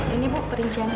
ini ibu perinciannya